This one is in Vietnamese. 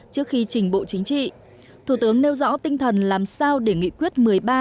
trước khi trình bộ chính trị thủ tướng nêu rõ tinh thần làm sao để nghị quyết một mươi ba